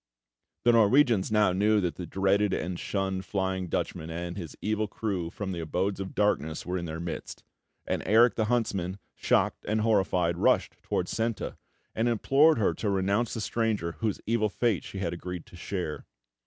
The Norwegians now knew that the dreaded and shunned Flying Dutchman and his evil crew from the abodes of darkness were in their midst; and Erik the Huntsman, shocked and horrified, rushed towards Senta, and implored her to renounce the stranger whose evil fate she had agreed to share.